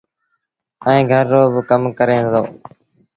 ائيٚݩ گھر رو با ڪم ڪري دو۔